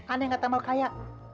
aneh gak tambah kaya